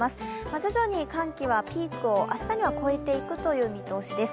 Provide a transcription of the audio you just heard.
徐々に寒気はピークを明日には越えていくという見通しです。